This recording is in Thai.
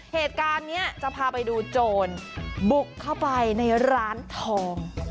เหตุการณ์นี้จะพาไปดูโจรบุกเข้าไปในร้านทอง